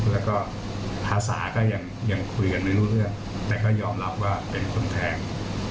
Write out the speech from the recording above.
แล้วก็ภาษาก็ยังคุยกันไม่รู้เรื่องแต่ก็ยอมรับว่าเป็นคนแทง